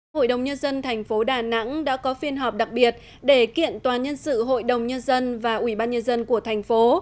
hội đồng nhân dân thành phố đà nẵng đã có phiên họp đặc biệt để kiện tòa nhân sự hội đồng nhân dân và ủy ban nhân dân của thành phố